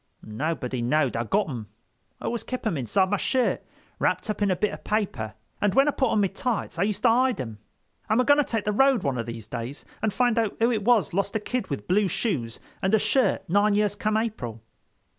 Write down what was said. "Nobody know'd I'd got 'em; I always kep' 'em inside my shirt, wrapt up in a bit of paper, and when I put on me tights I used to hide 'em. I'm a going to take the road one of these days, and find out who it was lost a kid with blue shoes and shirt nine years come April."